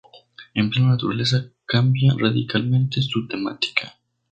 En plena naturaleza cambia radicalmente su temática.